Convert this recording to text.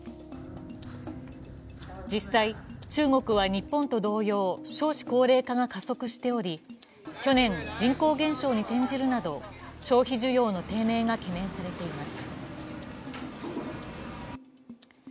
実際、中国は日本と同様、少子高齢化が加速しており、去年、人口減少に転じるなど消費需要の低迷が懸念されています。